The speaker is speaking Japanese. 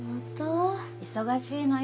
忙しいのよ。